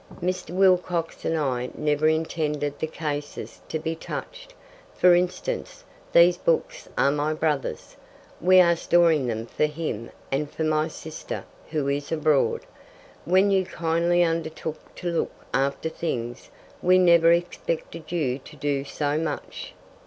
"Mr. Wilcox and I never intended the cases to be touched. For instance, these books are my brother's. We are storing them for him and for my sister, who is abroad. When you kindly undertook to look after things, we never expected you to do so much."